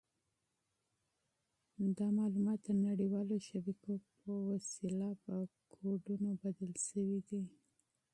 دا معلومات د نړیوالو شبکو په واسطه په کوډونو بدل شوي دي.